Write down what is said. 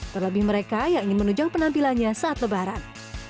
terlebih mereka yang ingin menunjang penampilannya saat lebaran